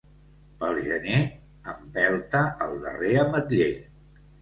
Pel gener, empelta el darrer ametller.